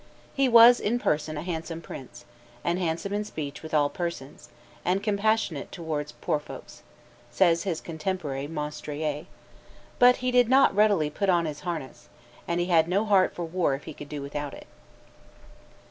"He was, in person, a handsome prince, and handsome in speech with all persons, and compassionate towards poor folks," says his contemporary Monstrelet; "but he did not readily put on his harness, and he had no heart for war if he could do without it."